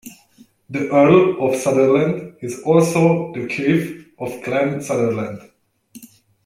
The Earl of Sutherland is also the Chief of Clan Sutherland.